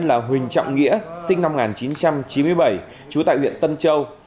là huỳnh trọng nghĩa sinh năm một nghìn chín trăm chín mươi bảy trú tại huyện tân châu